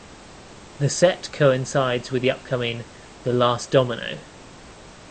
The set coincides with the upcoming The Last Domino?